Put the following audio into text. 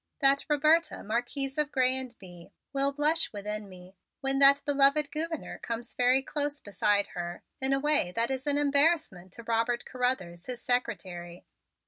That Roberta, Marquise of Grez and Bye, will blush within me, when that beloved Gouverneur comes very close beside her, in a way that is an embarrassment to Robert Carruthers, his secretary.